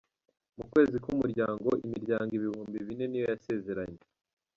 Mu kwezi k’umuryango imiryango ibihumbi bine niyo yasezeranye